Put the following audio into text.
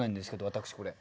私これ。